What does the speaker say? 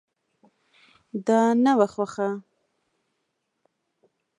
دا نه وه خوښه.